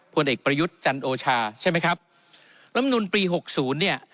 ผลเอกประยุทธ์จันโอชาใช่ไหมครับลำนุนปีหกศูนย์เนี่ย